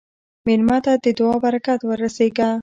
مېلمه ته د دعا برکت ورسېږه.